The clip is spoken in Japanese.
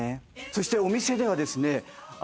そしてお店ではですね